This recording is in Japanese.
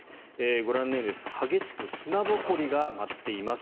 ご覧のように激しく砂ぼこりが舞っています。